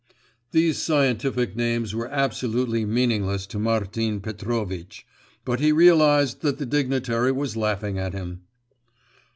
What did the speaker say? These scientific names were absolutely meaningless to Martin Petrovitch; but he realised that the dignitary was laughing at him.